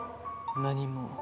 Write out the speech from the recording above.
何も。